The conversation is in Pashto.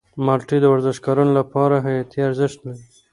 مالټې د ورزشکارانو لپاره حیاتي ارزښت لري.